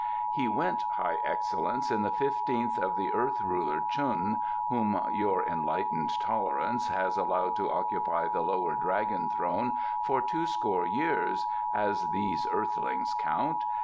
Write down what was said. "He went, High Excellence, in the fifteenth of the earth ruler Chun, whom your enlightened tolerance has allowed to occupy the lower dragon throne for twoscore years, as these earthlings count.